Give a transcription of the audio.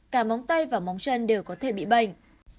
cả móng tay và móng chân đều có thể bị bệnh